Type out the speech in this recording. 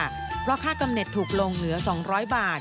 เพราะค่ากำเน็ตถูกลงเหลือ๒๐๐บาท